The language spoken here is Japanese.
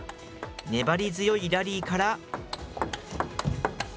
粘り強いラリーから。